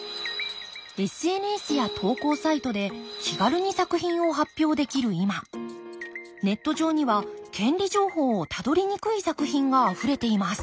ＳＮＳや投稿サイトで気軽に作品を発表できる今ネット上には権利情報をたどりにくい作品があふれています。